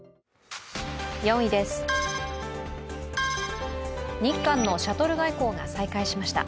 ４位です、日韓のシャトル外交が再開しました。